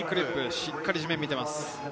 しっかり地面を見ています。